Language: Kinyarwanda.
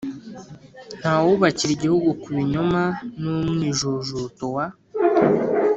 nta wubakira igihugu ku binyoma n'umwijujuto wa